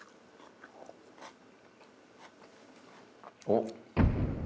おっ？